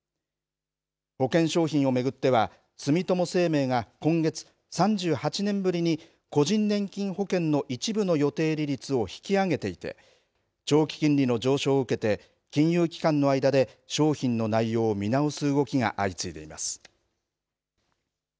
保険商品を巡っては住友生命が今月、３８年ぶりに個人年金保険の一部の予定利率を引き上げていて長期金利の上昇を受けて金融機関の間で商品の内容を見直す動きが相次いでいます。